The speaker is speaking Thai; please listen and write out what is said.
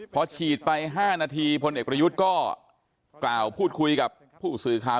พอฉีดไป๕นาทีพลเอกประยุทธ์ก็กล่าวพูดคุยกับผู้สื่อข่าว